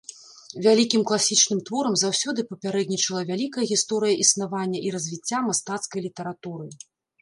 Вялікім класічным творам заўсёды папярэднічала вялікая гісторыя існавання і развіцця мастацкай літаратуры.